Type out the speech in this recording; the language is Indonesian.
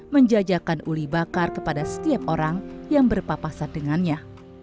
menjajakan uli bakar kepada setiap orang yang berpapasan dengannya